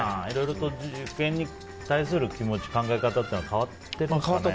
いろいろと受験に対する気持ち、考え方というのは変わってますよね。